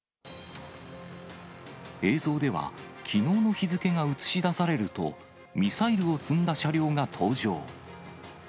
映像では、きのうの日付が映し出されると、ミサイルを積んだ車両が登場。